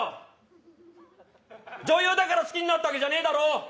女優だから好きになったわけじゃないだろ。